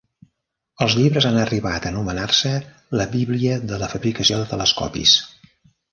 Els llibres han arribat a anomenar-se "la bíblia de la fabricació de telescopis".